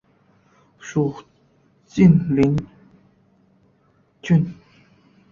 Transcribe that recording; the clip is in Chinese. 属晋陵郡。